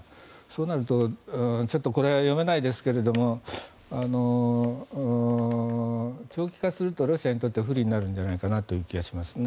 そうなると、ちょっとこれは読めないですけども長期化するとロシアにとって不利になるんじゃないかという気がします。